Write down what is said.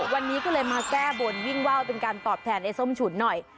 วันนี้ก็เลยมาแก้บนวิ่งว่าวเป็นการตอบแทนไอ้ส้มฉุนหน่อย